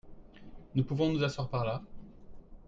Nous pouvons nous asseoir par là ?